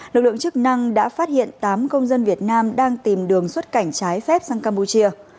lực lượng chức năng đã phát hiện tám công dân việt nam đang tìm đường xuất cảnh trái phép sang campuchia